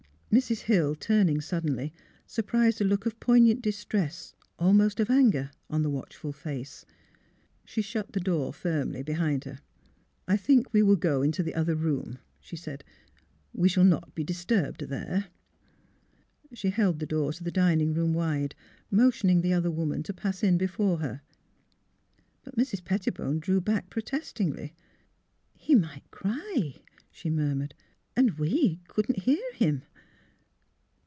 Mrs. Hill, turning suddenly, surprised a look of poignant distress, almost of anger, on the watchful face. She shut the door firmly behind her. " I think we will go in the other room," she said. " We shall not be disturbed there," She held the door to the dining room wide, mo tioning the other woman to pass in before her. But Mrs. Pettibone drew back protestingly. " He might cry," she murmured, " and — we couldn't hear him."